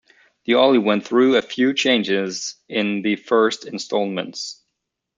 The Alley went through a few changes in the first installments.